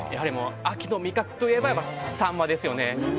秋の味覚といえばサンマですよね。